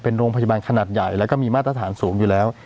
เป็นโรงพยาบาลขนาดใหญ่แล้วก็มีมาตรฐานสูงอยู่แล้ว